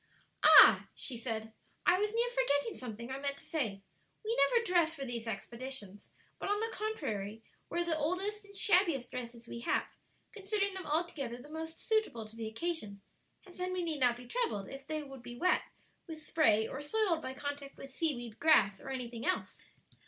"Ah," she said, "I was near forgetting something I meant to say: we never dress for these expeditions, but, on the contrary, wear the oldest and shabbiest dresses we have; considering them altogether the most suitable to the occasion, as then we need not be troubled if they should be wet with spray or soiled by contact with seaweed, grass, or anything else."